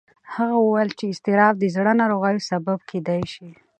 هغه وویل چې اضطراب د زړه ناروغیو سبب کېدی شي.